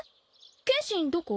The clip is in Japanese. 剣心どこ？